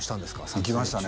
行きましたね